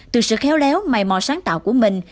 từ sự khéo léo mầy mò sáng tạo của mình